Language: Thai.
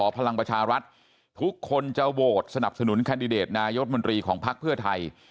พลังประชารัฐทุกคนจะโหวตสนับสนุนแคนดิเดตนายกมนตรีของพักเพื่อไทย